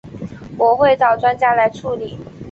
我会找专家来处理